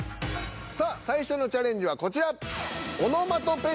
さあ最初のチャレンジはこちら。